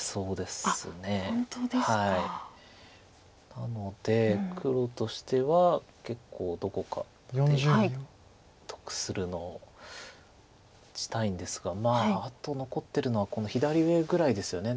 なので黒としてはどこかで得したいんですがまああと残ってるのはこの左上ぐらいですよね。